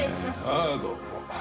ああどうも。